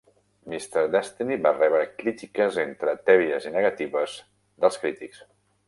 "Mr. Destiny" va rebre crítiques entre tèbies i negatives dels crítics.